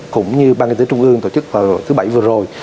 cũng như ban kinh tế trung ương tổ chức vào thứ bảy vừa rồi